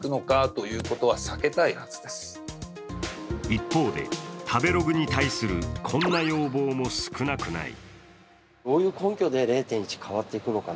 一方で、食べログに対するこんな要望も少なくない。